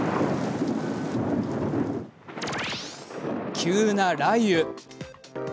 急な雷雨。